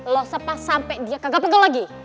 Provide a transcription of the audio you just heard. lo sepah sampe dia kagak pegang lagi